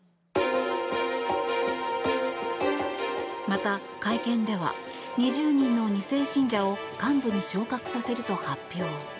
また、会見では２０人の２世信者を幹部に昇格させると発表。